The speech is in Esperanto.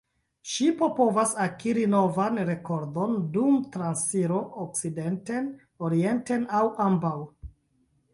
Ŝipo povas akiri novan rekordon dum transiro okcidenten, orienten aŭ ambaŭ.